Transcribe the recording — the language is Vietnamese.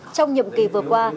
trong nhiệm kỳ vừa qua